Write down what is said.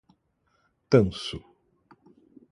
Tanso